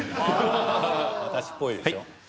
私っぽいでしょ。